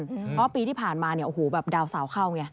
เพราะว่าปีที่ผ่านมาดาวสาวเข้า